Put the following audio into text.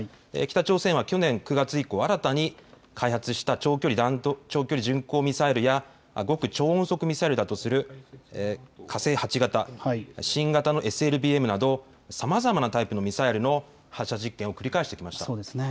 北朝鮮は去年９月以降、新たに開発した長距離巡航ミサイルや極超音速ミサイルだとする火星８型、新型のＳＬＢＭなどさまざまなタイプのミサイルの発射実験を繰り返してきました。